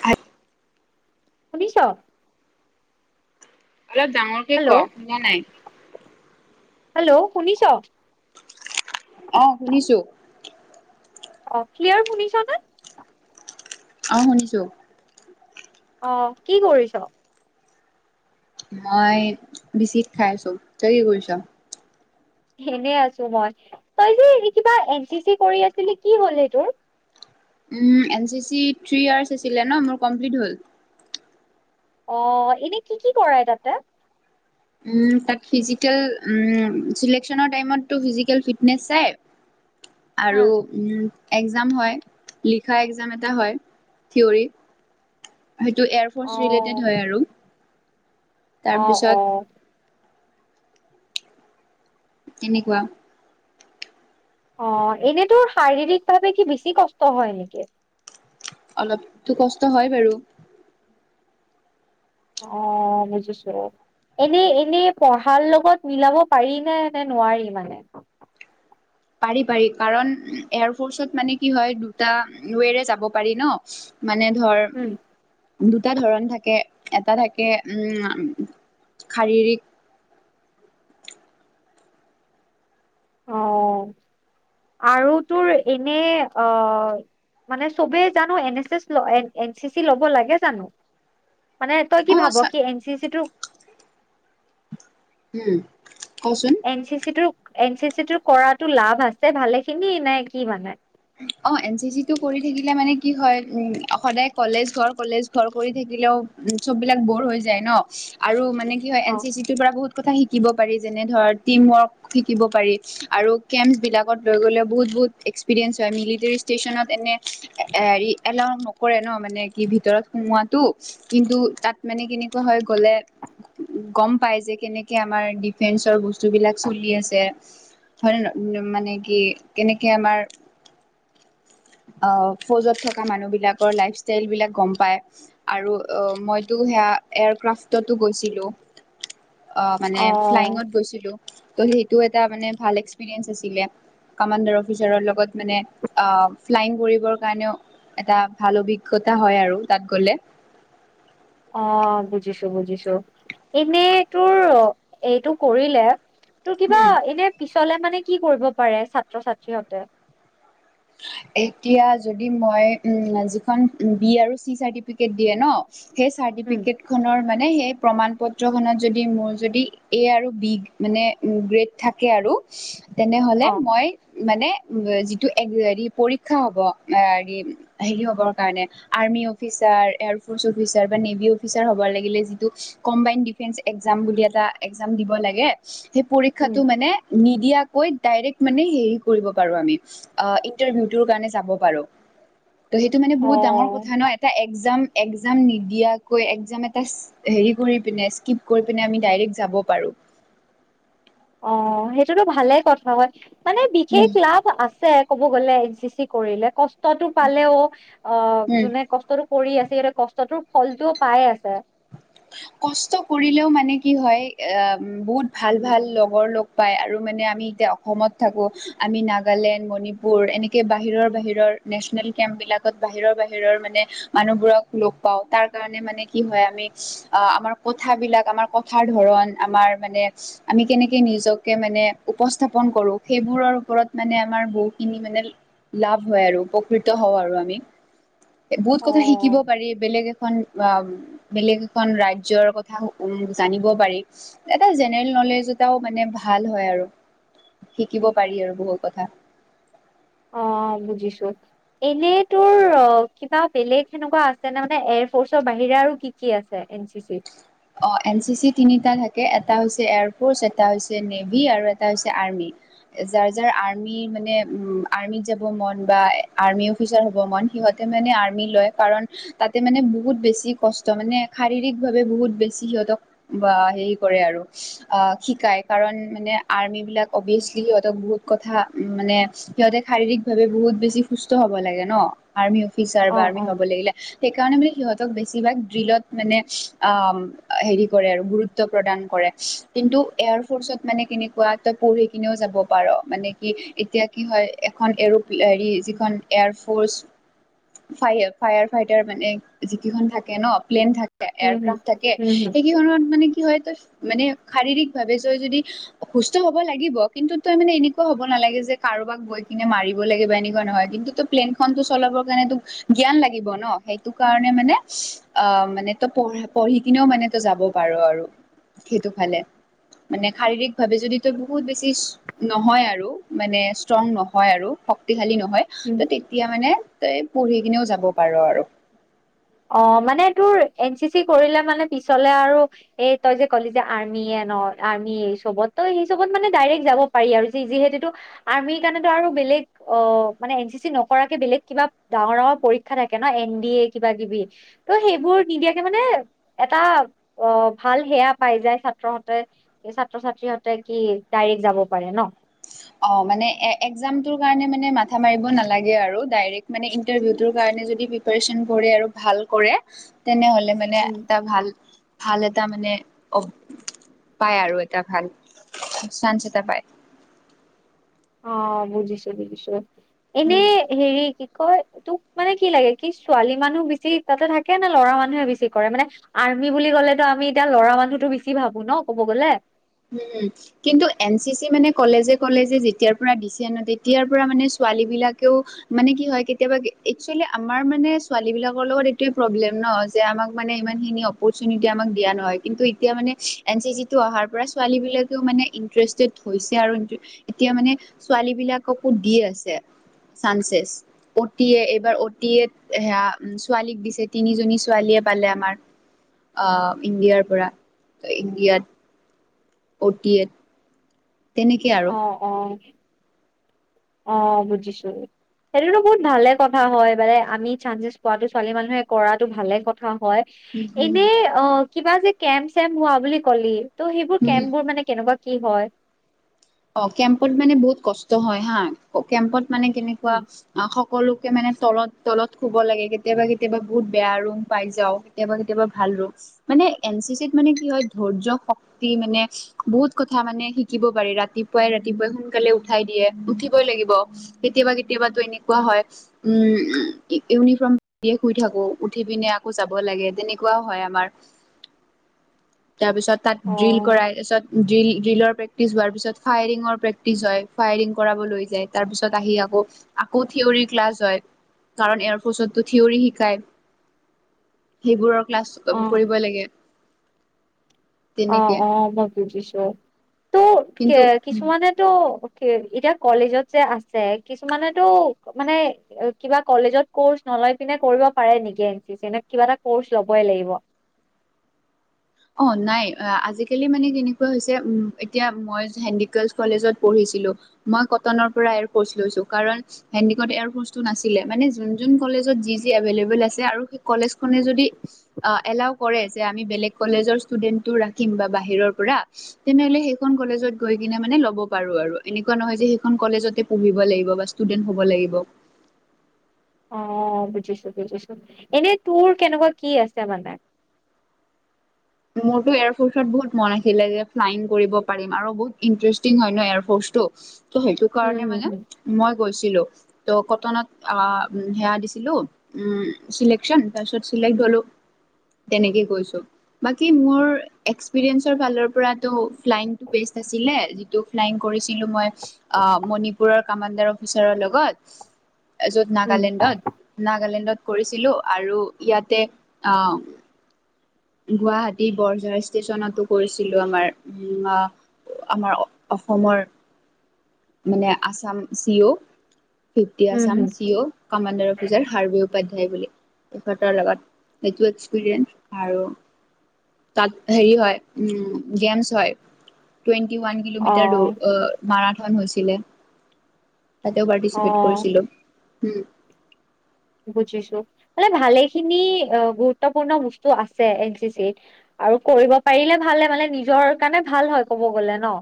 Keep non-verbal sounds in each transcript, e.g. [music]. হয়াত শুনিছোঁ? অলপ ডাঙৰকে ক', হোনা নাই। হেল্ল' শুনিছ? অ', শুনিছো। অ', ক্লিয়াৰ শুনিছ ন? অ' শুনিছোঁ। অ', কি কৰিছ? মই বচিত খাইছো, তই কি কৰিছ? ইনে আছো মই। তই যে এনে কিবা এন চি'চি কৰি আছিলি, কি হ'ল সেই তোৰ? ও'ম, N C C three years আছিলে ন, মোৰ কমপ্লিট হ'ল। অ', এনে কি কি কৰাই তাতে? তাত ফিজিকেল, চিলেকনৰ টাইমতটো ফিজিকেল ফিটনেছ চাই হা আৰু উম এক্জাম হয়, লিখা এক্জাম এটা হয়, থিয়ৰত। হেটো অ এয়াৰফৰ্চ ৰিলেটেড হয় আৰু তাৰপিছত অ'-অ'। এনেকুৱা। অ', এনেতো শাৰীৰিক ভাৱে কি বেছি কষ্ট হয় নেকি? অলপতো কষ্ট হয় বাৰু। অ', বুজিছো। এনেই এনেই পঢ়াৰ লগত মিলাব পাৰি নে, নে নোৱাৰি মানে? পাৰি পাৰি, কাৰণ এয়াৰফৰ্চত মানে কি হয়, দুটা ৱেৰে যাব পাৰি ন মানে ধৰ, উম দুটা ধৰণ থাকে এটা থাকে, উম শাৰীৰিক অ' আৰু তোৰ এনে, অ' মানে চবে জানো N S S, N C C ল'ব লাগে জানো? মানে তই কি অ ভাব আচ্ছা কি, এন চি-চি তটো উম। কচোন এন চি চি তোৰ, এন চি চিটোৰ কৰাতো লাভ আছে ভালেখিনি নে, নে কি মানে? অ', এন চি চি তটো কৰি থাকিলে মানে কি হয়, উম সদায় কলেজ ঘৰ কলেজ ঘৰ কৰি থাকিল থিলেও, উম চব বিলাক বৰ হৈ যায় ন, আৰু মানে কি হয় অ এন চি-চি তোৰ পৰা বহুত কথা শিকিব পাৰি যেনে ধৰ টিম ৱৰ্ক শিকিব পাৰি আৰু কেম্প বিলাকত লৈ গ'লেও বহুত বহু্ [unintelligible] এক্সপিৰিয়েঞ্চ হয় মিলিটেৰী ষ্টেচনত এনে হেৰি এলাউ নকৰে ন মানে কি ভিতৰত সোমোৱাত। টো কিন্তু তাত মানে কেনেকুৱা হয় গ'লে গ'ম পাই যে কেনেকে আমাৰ ডিফেন্সৰ বস্তুবিলাক চলি আছে হয়নে ন মানে কি কেনেকে আমাৰ [inaudible] আহ ফৌজত থকা মানুহবিলাকৰ লাইফষ্টাইলবিলাক গ'ম পায় আৰু মইতো সেয়া এয়াৰ ক্ৰাফ্টটো গৈছিলোঁ। [inaudible] অ' মানে ফ্লাইংত গৈছিলোঁ। তোৰ সেইটো এটা মানে ভাল এক্সপিৰিয়েঞ্চ আছিলে কামাণ্ডাৰ অফিচাৰৰ লগত মানে আহ ফ্লাইিং কৰিবৰ কাৰণেও এটা ভাল অভিজ্ঞতা হয় আৰু তাত গ'লে। [inaudible] অ' বুজিছোঁ, বুজিছোঁ। এনে তোৰ এইটো কৰিলে তোৰ কিবা উম। এনে পিছলে মানে কি কৰিব পাৰে ছাত্ৰ ছাত্ৰীহতে এতিয়া যদি মই যিখন বি আৰু চি চাৰ্টিফিকেট দিয়ে ন সেই উম চাৰ্টিফিকেট খনৰ মানে সেই প্ৰমাণ পত্ৰখনত যদি মোৰ যদি এ আৰু বিগ মানে গ্ৰেড থাকে আৰু অ তেনেহলে মই মানে উ যিটো হেৰি পৰীক্ষা হ'ব হেৰি হেৰি হবৰ কাৰণে আৰ্মি অফিচাৰ এয়াৰফৰ্চ অফীচাৰ বা নেভি অফিচাৰ হব লাগিলে যিটো কমবাইন দিফেন এক্সাম বুলি এটা এক্সাম দিব লাগে সেই উম পৰীক্ষাটো মানে নিদিয়াকৈ ডাইৰেক্ট মানে হেৰি কৰিব পাৰো আমি কাৰ যাব পাৰো সেইটো মানে বাৰ অ কথা ন এ এক্সাম নিদিয়াকৈ এক্সাম এটা হেৰি কৰি পিনে স্কিপ কৰি পিনে আমি ডাইৰে য পাৰো অ সেইটোতো ভালে কথা হয় মানে বিশেষ উম লাভ আছে ক'ব গ'লে এচ জি চি কৰিলে কষ্টটো পালেও অ উম যোনে কষ্ট পৰি আছে স কষ্টটোৰ ফলটোও পাই আছে কষ্ট কৰিলেও মানে কি হয় বহুত ভাল ভাল লগৰ লগ পায় আৰু মানে আমি অসমত থাকো আমি নাগালেণ্ড মণিপুৰ এনেকে বাহিৰৰ বাহিৰৰ নেচনেল কেম্প বিলাক আগত বাহিৰৰ বাহিৰৰ মানে মানুহবোৰক লগ পাওঁ তাৰ কাৰণে মানে কি হয় আমি অ আমাৰ কথ বিলাক আমাৰ কথাৰ ধৰণ আমাৰ মানে আমি কেনেকে নিজকে মানে ম উপস্থাপন কৰো সেইবোৰৰ ওপৰত মানে আমাৰ বহুখিনি মানে লাভ হয় আৰু উপকৃত হওঁ আৰু আমি বহুত অ কথা শিকিব পাৰি বেলেগ বেলেগ এখন ৰাজ্যৰ কথা উ জানিব পাৰি এটা জেনেৰেল মানে ভাল হয় আৰু শিকিব পাৰি আৰু বহুত কথা অ বুজিছো এনে তোৰ অ কিবা বেলেগ সেনেকুৱা আছে নে মানে এ ফছৰ বাহিৰে আৰু কি কি আছে এনি চি। অ', এন চি চি তিনিটা থাকে। এটা হৈছে এয়াৰফৰ্চ, এটা হৈছে নেভি, আৰু এটা হৈছে আৰ্মি। যাৰ যাৰ আৰ্মি মানে, উম। আৰ্মিত যাব মন, বা আৰ্মি অফিচাৰ হব মন। সিহঁতে মানে আৰ্মি লয়। কাৰণ, তাতে মানে বহুত বেছি কষ্ট মানে শাৰীৰিক ভাৱে বহুত। বেছি সিহঁতক বা হেৰি কৰে আৰু, শিকায় কাৰণ মানে আৰ্মি বিলাক অবি। সিহঁতক বহুত কথা উম মানে, সিহঁতে শাৰীৰিক ভাৱে বহুত বেছি সুস্থ হব লাগে নহ? আৰ্মি। অফিচাৰ অ বা আৰ্মি অ হ'ব লাগিলে। সেইকাৰণে মানে, সিহঁতক বেছিভাগ ড্ৰিলত মানে আ। হেৰি কৰে আৰু গুৰুত্ব প্ৰদান কৰে। কিন্তু, এয়াৰ ফৰ্চত মানে কেনেকুৱা ত পঢ়ি কিনেও। যাব পাৰ। মানে কি এতিয়া কি হয়, এখন এৰ হেৰি যিখন air force. Fire fire fighter মানে যিকেইখন থাকে ন প্লেন থাকে উম হম এয়াৰক্ৰাফ্ট থাকে, উম হম সেই কি সময়ত মানে কি হয়তো মানে শাৰীৰিক ভাৱে তই যদি সুস্থ হব লাগিব কিন্তু তই মানে এনেকুৱা হ'ব নালাগে যে কা কাৰোবাক গৈ কিনে মাৰিব লাগিব এনেকুৱা নহয় কিন্তু তো প্লেইনখনটো চলাবৰ কাৰণ তো জ্ঞান লাগিব ন সেইটো কাৰণে মানে অ', মানে ত পঢ়-পঢ়ি কনেও মানে ত যাব পাৰো আৰু সেইটো ফালে মানে শাৰীৰিকভাৱে যদি তই বহুত বেছি নহয় আৰু মানে ষ্ট্ৰং নহয় আৰু শক্তিশালী নহয় ত উম তেতিয়া মানে তই পঢ়ি কিনেও যাব পাৰ আৰু অ মানে তোৰ এন চি চি কৰিলে মানে পিছলে আৰু এই তই যে ক'লি যে আৰ্মি ন' আৰ্মি এই চবত' সেই চবত মানে ডাইৰেক্ট যাব পাৰি আৰু যিহেতু আৰ্মিৰ কাৰণটো আৰু বেলেগ অ মানে এন চি চি নকৰাকে বেলেগ কিবা ডাঙৰ ডাঙৰ পৰীক্ষা থাকে ন এন ডি এ কি কিবা কিবি ত' সেইবোৰ নিদিয়াকে মানে এটা অ', ভাল সেয়া পাই যায়। হ'তে ছাত্ৰ-ছাত্ৰী হ'তে কি ডাইৰেক্ট যাব পাৰে ন'। অ মানে এ একজামটোৰ কাৰণে মানে মাথা মাৰিব নালাগে আৰু ডাইৰেক্ট মানে ইনটাৰভিউটোৰ কাৰণে যদি পিপাৰেচন কৰে আৰু ভাল কৰে তেনেহলে মানে উম এটা ভাল ভাল এটা মানে অব পায় আৰু এটা ভাল চাঞ্চ এটা পায় অ', বুজিছোঁ, বুজিছোঁ এনে উম হেৰি কি কয় তোক মানে কি লাগে কি ছোৱালী মানুহ বেছি তাতে থাকে নে লৰা মানুহে বেছি কৰে মানে আই নি বুলি ক'লে আমি এতিয়া ল'ৰা মানুহটো বেছি ভাবো ন' ক'ব গ'লে। উম কিন্তু এন চি চি মানে কলেজে কলেজে যেতিয়াৰ পৰা দিছে আন তেতিয়াৰ পৰা মানে ছো ছোৱালিবিলাকেও মানে কি হয় কেতিয়াবা একচৱেলি আমাৰ মানে ছোৱালীবিলাকৰ লগত এইটোৱে প্ৰব্লেম অ যে আমাক মানে ইমান খিনি অপৌচুনেটি আমাক দিয়া নহয় কিন্তু এতিয়া মানে এন চি চি টো অহাৰ পৰা ছোৱালী বিলাকেও মানে ইন্টেছ্ষ্টেড হৈছে আৰু ইন--এতিয়া মানে ছোৱালী বিলাককো দি আছে চানচেচ অটিয়ে এইবাৰ অটিয়েট সেয়া ছোৱালীক দিছে তিনিজনী ছোৱালীয়ে এ পালে আমাৰ অহ ইণ্ডিয়াৰ পৰা ইণ্ডিয়াত অটীয়েত অ অ অ বুজিছো সেইটোতো বহুত ভালে কথা হয় বাৰু আমি চান্ঞ্চেছ পোৱাটো ছোৱালী মানুহে কৰাতো ভালে কথা হয় উম হুম হুম এনেই অ কিবা যে কেম্প চেম্প হোৱা বুলি ক'লি ত' সেইবোৰ হুম কেম্পবোৰ মানে কেনেকুৱা কি হয়? অ কেম্পত মানে বহুত কষ্ট হয় হা কেম্পত মানে কেনেকুৱা উম, অ হক সকলোকে মানে তলত তলত শুব লাগে কেতিয়াবা কেতিয়াবা বহুত বেয়া ৰুম পাই যাও কেতিয়াবা কেতিয়াবা ভাল ৰু মানে এন চি চিত মানে কি হয় ধৈৰ্য্য শক্তি মানে বহুত কথা মানে শিকিব পাৰি ৰা ৰাতিপুৱাই ৰাতিপুৱাই সোনকালে উঠাই দিয়ে উঠিবই লাগিব কেতিয়াবা কেতিয়াবাতো এনেকুৱা হয় উম উমম ইউনিফৰ্ম দিয়ে শুই থাকো উঠি পিনে আকৌ যাব লাগে তেনেকুৱাও হয় আমাৰ [inaudible] তাৰ পিছত তাত অ ড্ৰিল কৰা তাছত ড্ৰিল ড্ৰিলৰ প্ৰেক্টিছ হোৱাৰ পিছত ফায়ৰিঙৰ প্ৰেক্টিচ হয় ফায়ৰিং কৰাব লৈ যায় তাৰ পিছত আহি আকৌ আকৌ থিয়ৰী ক্লাছ হয় কাৰণ এয়াৰফৰ্চতো থিয়ৰী শিকাই সেইবোৰক ক্লাছ অ কৰিব লাগে অ তেনেকে অ মই বুজিছো ত কিন্তু কিছুমানেতো। এতিয়া কলেজত যে আছে কিছুমানেতো মানে কিবা কলেজত কৰ্চ ন কৰিব পাৰে নেকি কিবা এটা কৰ্চ লবই লাগিব। অ নাই আজিকালি মানে কেনেকুৱা হৈছে উ এতিয়া মই হেণ্ডিক গালছ কলেজত পঢ়িছো। নাছিলোঁ মই কটনৰ পৰা এয়াৰ কৰ্চ লৈ চো কাৰণ সন্দিকত এয়াৰ কৰ্চ নাছিলে। কলেজত যি যি এভেল এবোল আছে আৰু সেই কলেজখনে যদি এ এলাও কৰে যে আমি বেলেগ, কলেজৰ ষ্টুডেন্টো ৰাখিম বা বাহিৰৰ পৰা তেনেহলে সেইখন কলেজত গৈ কিনে মানে ল'ব পাৰো। বাৰু এনেকুৱা নহয় যে সেইখন কলেজতে পঢ়িব লাগিব বা ষ্টুডেণ্ট হব লাগিব, [inaudible] অ বুজিছো বুজিছো এনে তোৰ কেনেকুৱা কি আছে মানে। [inaudible] মোৰতটো এয়াৰফ'ৰ্চত বহুত মন আছিলে যে ফ্লাইিং কৰিব পাৰি আৰু বহুত ইণ্টাৰেষ্টিং হয় ন এয়াৰফৰ্চ, ত সেইটো উম কাৰণে মানে হম মই গৈছিলো। ত' কটনত সেয়া দিছিলোঁ চিলেকচন তাৰপিছত চিলেক্ট হ'লোঁ। তেনেকেই কৈছো। বাকী মোৰ এস্কপ্ৰেৰীয়েনচৰ ফালৰ পৰা টো ফালাইং [unintelligible] পৰিছিলো মই মণিপুৰৰ কামাডাৰ অফিচাৰৰ লগত। য'ত হম নাগালেণ্ডত নাগালেণ্ডত কৰিছিলো আৰু ইয়াতে আহ গুৱাহাটী বৰঝাৰ ষ্টেচনতো কৰিছিলো আমাৰ আ আমাৰ অসমৰ মানে আছাম চি অ' ফিফটি উম উম আছাম হম চি অ' কামাণ্ডাৰ অফিচাৰ হাৰে উপাধ্যায় বুলি তেখেতৰ লগত সেইটো এক্সপিৰিয়েঞ্চ আৰু তাত হেৰি হয় উ গেমছ হয় টি ওৱান অ কিলোমিটাৰ দৰ মাৰাথন হৈছিলে। তাতেও অ পাৰ্টিচিপেট কৰিছিলো হম। বুজিছো মানে ভালেখিনি গুৰুত্বপূৰ্ণ বস্তু আছে এন চি চি ত। আৰু কৰিব পাৰিলে ভালে মানে নিজৰ কাৰণে ভাল হয় কব গলে ন।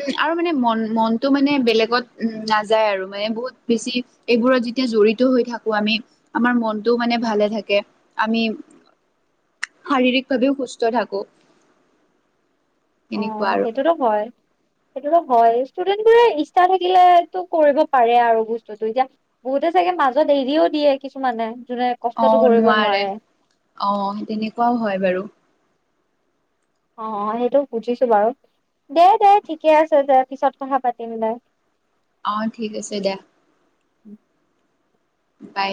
উম আৰু মানে মন মনতটো মানে বেলেগত উম নাযায় আৰু মানে বহুত বেছি এইবোৰত যেতিয়া জড়িত হৈ থাকো আমি আমাৰ মনটোও মানে উম, ভালে থাকে আমি শাৰীৰিক ভাৱেও সুস্থ থাকো। অ তেনেকুৱা আৰু সেইটোতো হয় সেইটো হয় ষ্টুডেন্ট বোৰে ইচ্ছা থাকিলে টো কৰিব পাৰে আৰু বস্তুতো এতিয়া বহুতে চাগে মাজত দেৰিও দিয়ে কিছুমানে যোনে কষ্টটো আহ কৰিব নোৱাৰে অ তেনেকুৱাও হয় বাৰু। অ, অ সেইটো বুজিছো বাৰু দে, দে ঠিকে আছে দে পিছত কথা পাতিম দে। অ ঠিক আছে দেয়। উম। বাই।